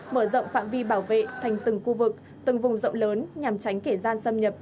mở rộng phạm vi bảo vệ thành từng khu vực từng vùng rộng lớn nhằm tránh kẻ gian xâm nhập